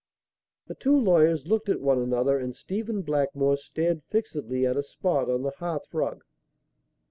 The two lawyers looked at one another and Stephen Blackmore stared fixedly at a spot on the hearth rug.